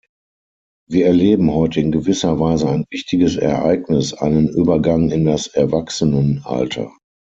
Wir erleben heute in gewisser Weise ein wichtiges Ereignis, einen Übergang in das Erwachsenenalter.